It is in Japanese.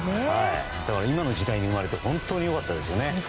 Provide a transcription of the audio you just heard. だから今の時代に生まれて本当に良かったですよね。